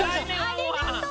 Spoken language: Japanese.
ありがとう。